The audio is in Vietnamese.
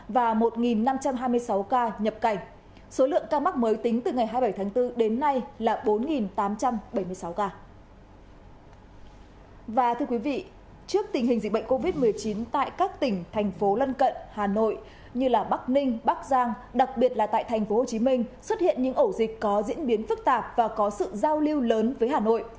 và thưa quý vị trước tình hình dịch bệnh covid một mươi chín tại các tỉnh thành phố lân cận hà nội như bắc ninh bắc giang đặc biệt là tại tp hcm xuất hiện những ổ dịch có diễn biến phức tạp và có sự giao lưu lớn với hà nội